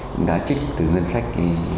cũng đã trích từ ngân sách